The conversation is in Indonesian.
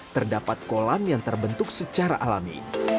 terdapat kolam yang terbentuk secara alami